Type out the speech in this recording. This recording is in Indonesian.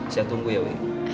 saya tunggu ya wi